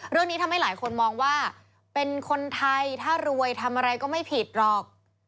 เรื่องนี้ทำให้หลายคนมองว่าเป็นคนไทยถ้ารวยทำอะไรก็ไม่ผิดหรอก